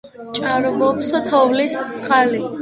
ჭარბობს თოვლის წყალი.